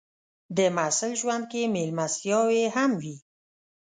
د محصل ژوند کې مېلمستیاوې هم وي.